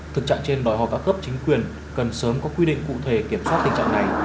thực trạng trên đòi hỏi các cấp chính quyền cần sớm có quy định cụ thể kiểm soát tình trạng này